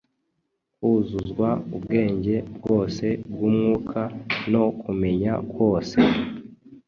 kuzuzwa ubwenge bwose bw’Umwuka no kumenya kose,